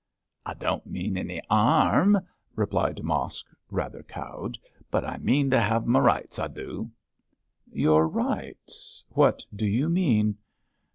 'I don' mean any 'arm!' replied Mosk, rather cowed, 'but I mean to 'ave m' rights, I do.' 'Your rights? What do you mean?'